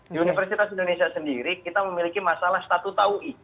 di universitas indonesia sendiri kita memiliki masalah statu taui